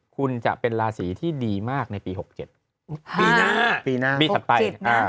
คุณจะเป็นลาสีที่ดีมากในปีหกเจ็ดปีหน้าปีหน้าปีถัดไปอ่า